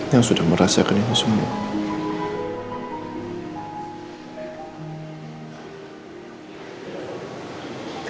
yang sudah merasakan itu semua